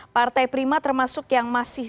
partai prima termasuk yang masih